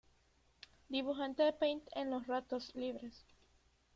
Dibujante de Paint en los ratos libres.